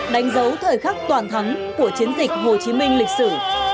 đánh dấu thời khắc toàn thắng của chiến dịch hồ chí minh lịch sử